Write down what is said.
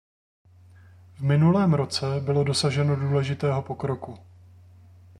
V minulém roce bylo dosaženo důležitého pokroku.